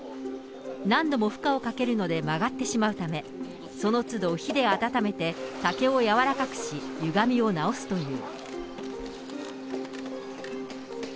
何度も負荷をかけるので曲がってしまうため、そのつど火で温めて、竹を柔らかくし、ゆがみを直すという。